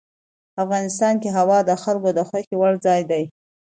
افغانستان کې هوا د خلکو د خوښې وړ ځای دی.